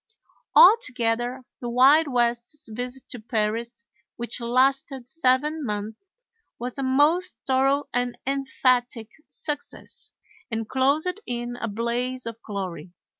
Altogether the Wild West's visit to Paris, which lasted seven months, was a most thorough and emphatic success, and closed in a blaze of glory.